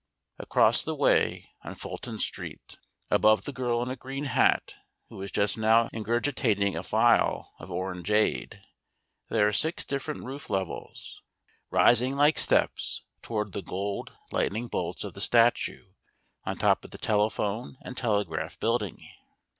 Across the way, on Fulton Street, above the girl in a green hat who is just now ingurgitating a phial of orangeade, there are six different roof levels, rising like steps toward the gold lightning bolts of the statue on top of the Telephone and Telegraph Building.